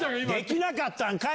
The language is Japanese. できなかったんかい！